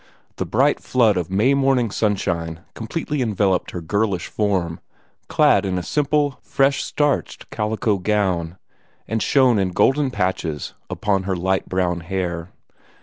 The bright flood of May morning sunshine completely enveloped her girlish form, clad in a simple, fresh starched calico gown, and shone in golden patches upon her light brown hair.